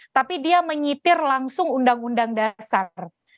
tapi dia menyitir langsung undang undang dasar